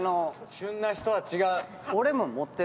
旬な人は違う。